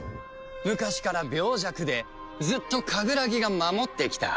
昔から病弱でずっとカグラギが守ってきた。